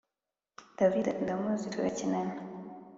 davide ati ndamuzi turakinana